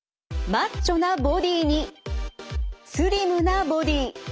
マッチョなボディーにスリムなボディー。